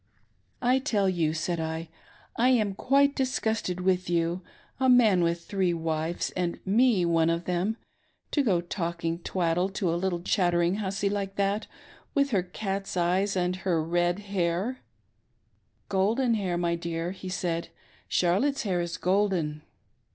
" I tell you," said I, " I'm quite disgusted with you ; a man with three wives — and me one of them — to go talking twaddle to a little chattering hussy like that, with her cat's eyes and her red hair 1 ""' Golden hair, my dear,' he said, ' Charlotte's hair is golden.'